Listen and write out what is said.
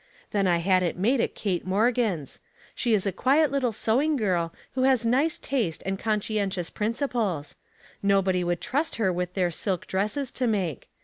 Then I had it made at Kate Morgan's. She is a quiet little sewing girl, who has nice taste and conscientious princi ples. Nobody would trust her with their silk dresses to make.